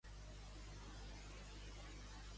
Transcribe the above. El cristianisme també hi tenen una forta presència.